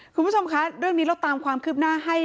คุณผู้ชมคะเรื่องนี้เราตามความคืบหน้าให้